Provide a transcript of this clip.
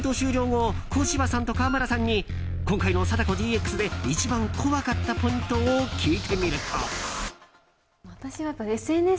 後小芝さんと川村さんに今回の「貞子ＤＸ」で一番怖かったポイントを聞いてみると。